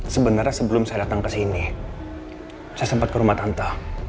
sebenarnya sebelum saya datang ke sini saya sempat ke rumah tante